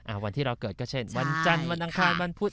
อ่าวันที่เวลาเล็ตอ่ะวันเจ้นวันดังฮาลวันพุทธ